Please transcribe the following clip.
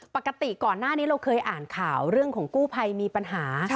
ปกติก่อนหน้านี้เราเคยอ่านข่าวเรื่องของกู้ภัยมีปัญหา